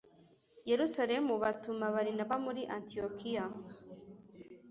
yerusalemu batuma barinaba muri antiyokiya